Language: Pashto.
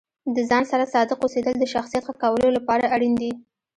د ځان سره صادق اوسیدل د شخصیت ښه کولو لپاره اړین دي.